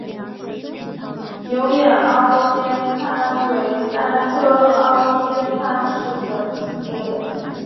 牛眼凹肩鲹为鲹科凹肩鲹属的鱼类。